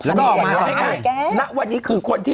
แล้วก็ออกมาส่วนใหญ่แล้ววันนี้คือคนที่